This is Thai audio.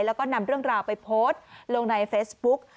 แล้วก็นำเรื่องราวไปโพสต์ลงในเฟซบุ๊ก